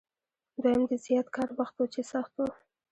دویم د زیات کار وخت و چې سخت و.